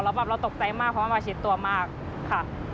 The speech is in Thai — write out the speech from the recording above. เราตกใจมากเพราะว่ามาฉีดตัวมาก